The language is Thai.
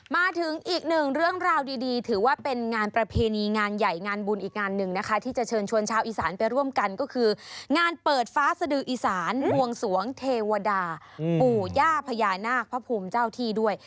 มาถึงอีกหนึ่งเรื่องราวดีถือว่าเป็นงานประเพณีงานใหญ่งานบุญอีกงานหนึ่งนะคะที่จะเชิญชวนชาวอีสานไปร่วมกันก็คืองานเปิดฟ้าสดืออีสานบวงสวงเทวดาปู่ย่าพญานาคพระภูมิเจ้าที่ด้วย